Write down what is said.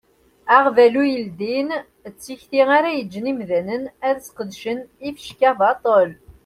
Aɣbalu yeldin d tikti ara yeǧǧen imdanen ad sqedcen ifecka baṭel.